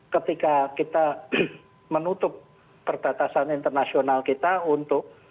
ketika kita menutup perbatasan internasional kita untuk